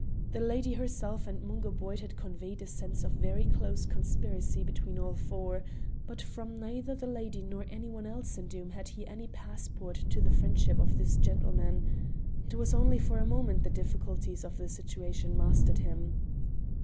The lady herself and Mungo Boyd had conveyed a sense of very close conspiracy between all four, but from neither the lady nor any one else in Doom had he any passport to the friendship of this gentleman. It was only for a moment the difficulties of the situation mastered him.